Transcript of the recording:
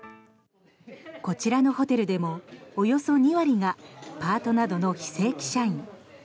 こちらのホテルでもおよそ２割がパートなどの非正規社員。